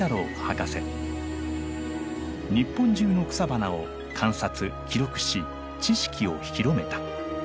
日本中の草花を観察記録し知識を広めた。